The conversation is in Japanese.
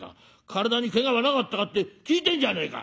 体にけがはなかったかって聞いてんじゃねえか」。